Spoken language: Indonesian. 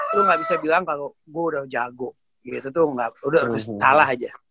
lo gak bisa bilang kalo gue udah jago gitu tuh udah salah aja